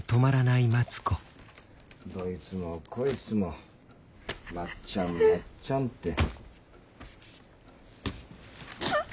どいつもこいつも「まっちゃんまっちゃん」って。